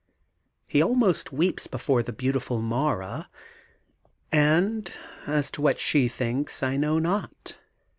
He almost weeps before the beautiful Mara and, as to what she thinks, I know not.